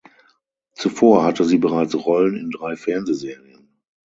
Zuvor hatte sie bereits Rollen in drei Fernsehserien.